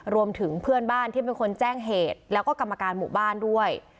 รวมถึงเพื่อนบ้านที่เป็นคนแจ้งเหตุแล้วก็กรรมการหมู่บ้านด้วย